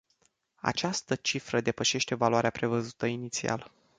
Această cifră depășește valoarea prevăzută inițial.